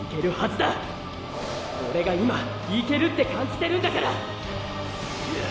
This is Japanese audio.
オレが今行けるって感じてるんだからうわっ！